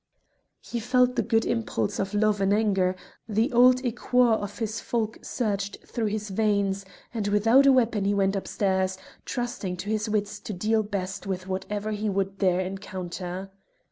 He felt the good impulse of love and anger, the old ichor of his folk surged through his veins, and without a weapon he went upstairs, trusting to his wits to deal best with whatever he would there encounter.